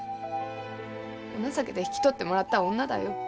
お情けで引き取ってもらった女だよ。